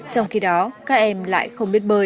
trong khi đó các em lại không biết bơi